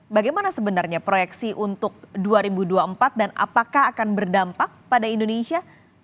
bagaimana sebenarnya proyeksi untuk dua ribu dua puluh empat dan apakah akan berdampak pada indonesia